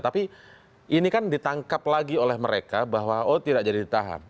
tapi ini kan ditangkap lagi oleh mereka bahwa oh tidak jadi ditahan